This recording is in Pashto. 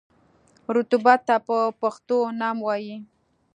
رطوبت ته په پښتو نم وايي.